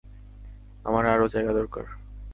আমার আরও জায়গা দরকার।